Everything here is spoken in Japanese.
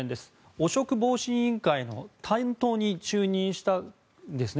汚職防止委員会の担当に就任したんですね。